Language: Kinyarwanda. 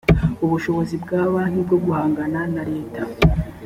ubushobozi bwa banki bwo guhangana na leta